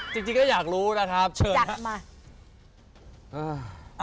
จริงก็อยากรู้นะครับเชิญครับมา